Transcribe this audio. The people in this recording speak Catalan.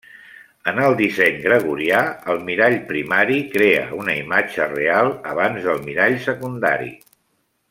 En el disseny gregorià, el mirall primari crea una imatge real abans del mirall secundari.